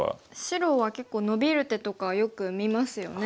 白は結構ノビる手とかをよく見ますよね。